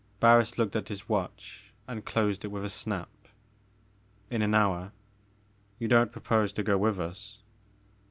Barris looked at his watch and closed it with a snap. '' In an hour ; you don't propose to go with us?"